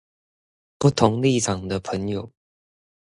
不同立場的朋友